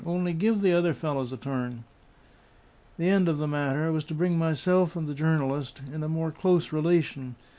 Only give the other fellows a turn." The end of the matter was to bring myself and the journalist in a more close relation.